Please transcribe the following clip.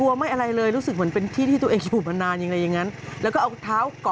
ชั้นเอามาเลี้ยงให้อย่างนี้สงสารมาก